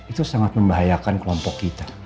itu sangat membahayakan kelompok kita